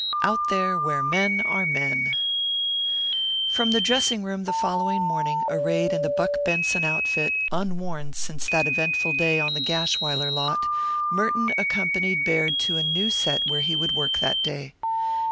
OUT THERE WHERE MEN ARE MEN From the dressing room the following morning, arrayed in the Buck Benson outfit, unworn since that eventful day on the Gashwiler lot, Merton accompanied Baird to a new set where he would work that day.